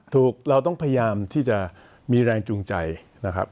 เราต้องพยายามที่จะมีแรงจูงใจนะครับ